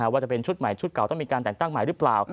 ว่าจะเป็นชุดใหม่ชุดเก่าต้องมีการแต่งตั้งใหม่หรือเปล่า